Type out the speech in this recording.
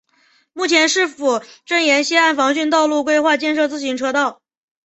目前市府正沿溪岸防汛道路规划建设自行车道。